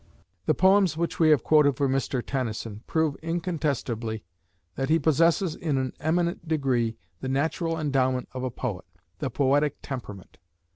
"The poems which we have quoted from Mr. Tennyson prove incontestably that he possesses in an eminent degree the natural endowment of a poet, the poetic temperament.